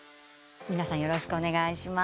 よろしくお願いします。